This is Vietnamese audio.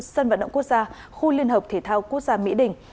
sân vận động quốc gia khu liên hợp thể thao quốc gia mỹ đình